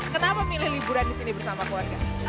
kenapa milih liburan disini bersama keluarga